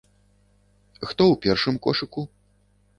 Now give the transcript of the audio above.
Хто ў першым кошыку?